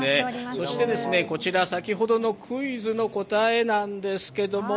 そしてこちら、先ほどのクイズの答えなんですけども